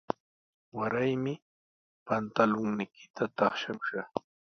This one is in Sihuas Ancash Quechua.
Waraymi pantulunniita taqshamushaq.